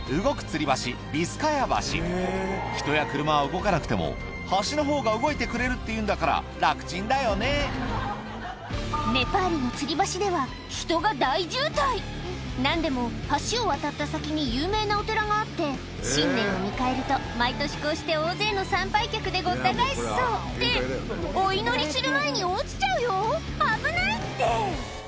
つり橋人や車は動かなくても橋のほうが動いてくれるっていうんだから楽ちんだよねネパールのつり橋では人が大渋滞何でも橋を渡った先に有名なお寺があって新年を迎えると毎年こうして大勢の参拝客でごった返すそうってお祈りする前に落ちちゃうよ危ないって！